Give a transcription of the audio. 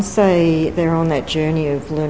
setelah mereka berjalan jalan